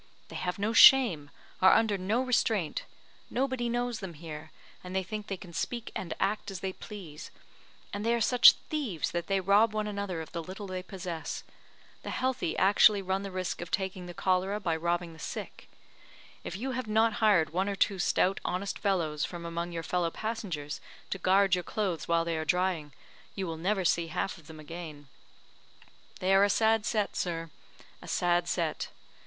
They have no shame are under no restraint nobody knows them here, and they think they can speak and act as they please; and they are such thieves that they rob one another of the little they possess. The healthy actually run the risk of taking the cholera by robbing the sick. If you have not hired one or two stout, honest fellows from among your fellow passengers to guard your clothes while they are drying, you will never see half of them again. They are a sad set, sir, a sad set.